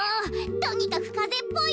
とにかくかぜっぽいの。